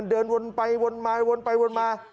เดินวนไปวนมาวนไปวนมา